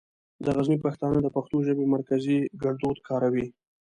د غزني پښتانه د پښتو ژبې مرکزي ګړدود کاروي.